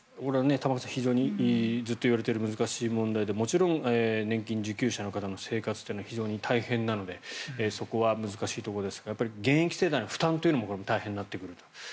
玉川さん、非常にずっと言われている難しい問題でもちろん年金受給者の方の生活も非常に大変なのでそこは難しいところですが現役世代の負担というのも大変になってくると。